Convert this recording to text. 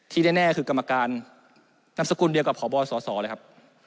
แน่คือกรรมการนามสกุลเดียวกับพบสสเลยครับ